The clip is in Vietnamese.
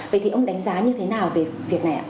vậy thì ông đánh giá như thế nào về việc này ạ